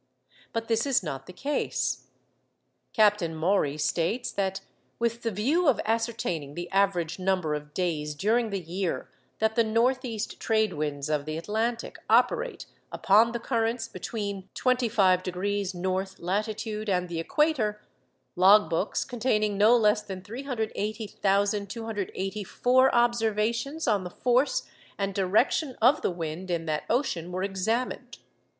But this is not the case. Captain Maury states that, 'With the view of ascertaining the average number of days during the year that the north east trade winds of the Atlantic operate upon the currents between twenty five degrees north latitude and the equator, log books containing no less than 380,284 observations on the force and direction of the wind in that ocean were examined.